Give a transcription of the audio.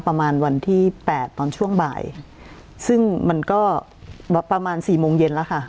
ประมาณวันที่แปดตอนช่วงบ่ายซึ่งมันก็ประมาณสี่โมงเย็นแล้วค่ะ